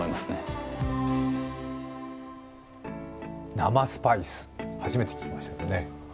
生スパイス、初めて聞きましたけどね。